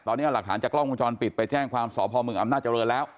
ตอนนี้เอาหลักฐานจากกล้องวงจรปิดไปแจ้งความสพมอำนาจริงแล้ว